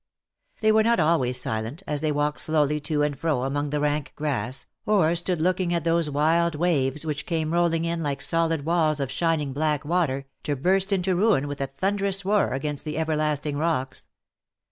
They were not always silent,, as they walked slowly to and fro among the rank grass, or stood looking at those wild waves which came rolling in like solid walls of shining black water^ to burst into ruin with a thunderous roar against the ever lasting rocks.